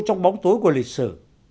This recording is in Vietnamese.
trong bóng tối của lịch sử